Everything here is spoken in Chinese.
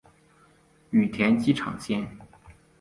羽田机场线